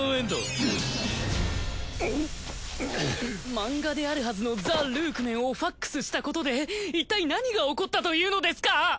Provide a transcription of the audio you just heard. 漫画であるはずのザ・ルークメンをファックスしたことでいったい何が起こったというのですか？